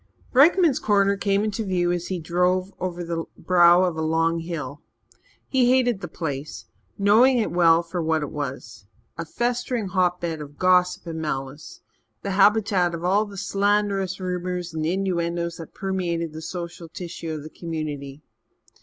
Rykman's Corner came into view as he drove over the brow of a long hill. He hated the place, knowing it well for what it was a festering hotbed of gossip and malice, the habitat of all the slanderous rumours and innuendoes that permeated the social tissue of the community.